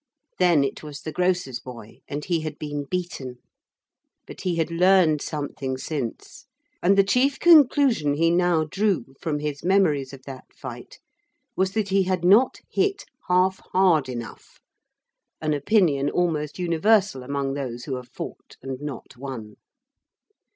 Then it was the grocer's boy and he had been beaten. But he had learned something since. And the chief conclusion he now drew from his memories of that fight was that he had not hit half hard enough, an opinion almost universal among those who have fought and not won.